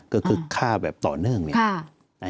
ก็คือฆ่าแบบต่อเนื่องเลย